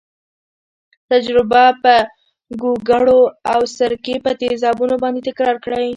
تجربه په ګوګړو او سرکې په تیزابونو باندې تکرار کړئ.